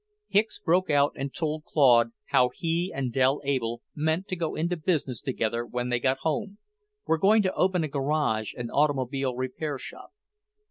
Hicks broke out and told Claude how he and Dell Able meant to go into business together when they got home; were going to open a garage and automobile repair shop.